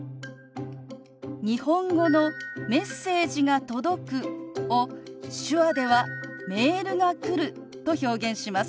日本語の「メッセージが届く」を手話では「メールが来る」と表現します。